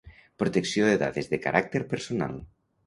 Protecció de dades de caràcter personal.